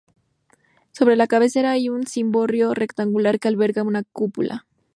Sobre la cabecera hay un cimborrio rectangular que alberga una cúpula.